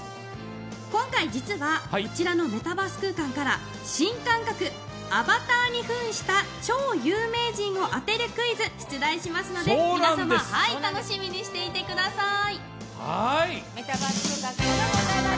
今回実はこちらのメタバース空間から新感覚アバターに扮した超有名人を当てるクイズを出題しますので、皆様、楽しみにしていてください。